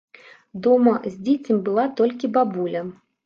Дома з дзіцем была толькі бабуля.